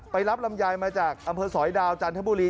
รับลำไยมาจากอำเภอสอยดาวจันทบุรี